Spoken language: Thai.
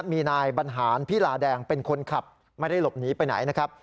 มีนายบรรหารพิลาแดงเป็นคนขับไม่ได้หลบหนีไปไหนนะครับ